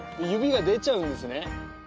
指が出ちゃうんですね